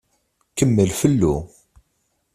Kemmel fellu.